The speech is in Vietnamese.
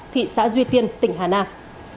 thị xã duy tiên tỉnh hà nang